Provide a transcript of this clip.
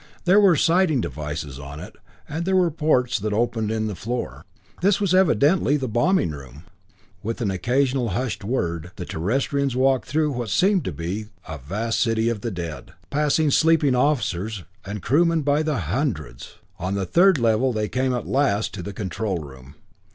There were sighting devices on it, and there were ports that opened in the floor. This was evidently the bombing room. With an occasional hushed word, the Terrestrians walked through what seemed to be a vast city of the dead, passing sleeping officers, and crewmen by the hundreds. On the third level they came at last to the control room.